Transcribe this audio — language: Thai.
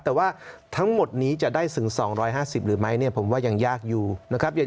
แต่ว่าทั้งหมดนี้จะได้ถึง๒๕๐หรือไม่เนี่ยผมว่ายังยากอยู่นะครับ